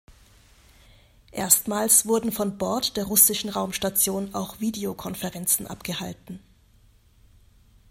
Erstmals wurden von Bord der russischen Raumstation auch Videokonferenzen abgehalten.